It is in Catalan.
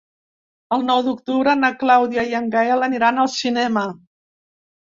El nou d'octubre na Clàudia i en Gaël aniran al cinema.